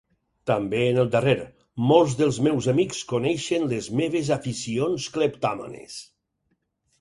També en el darrer; molts dels meus amics coneixen les meves aficions cleptòmanes.